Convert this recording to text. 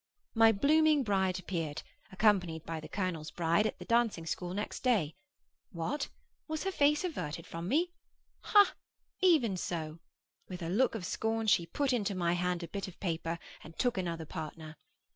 My blooming bride appeared, accompanied by the colonel's bride, at the dancing school next day. What? Was her face averted from me? Hah? Even so. With a look of scorn, she put into my hand a bit of paper, and took another partner.